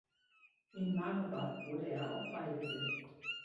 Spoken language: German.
In Marbach wurde er auch beigesetzt.